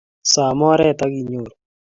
Some oret akinyoru